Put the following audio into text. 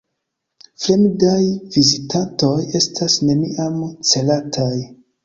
Fremdaj vizitantoj estas neniam celataj.